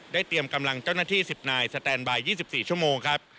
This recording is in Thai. เตรียมกำลังเจ้าหน้าที่๑๐นายสแตนบาย๒๔ชั่วโมงครับ